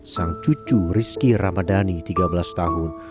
sang cucu rizky ramadhani tiga belas tahun